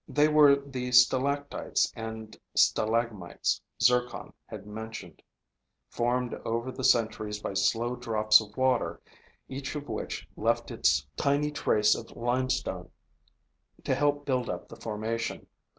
They were the stalactites and stalagmites Zircon had mentioned, formed over the centuries by slow drops of water, each of which left its tiny trace of limestone to help build up the formation.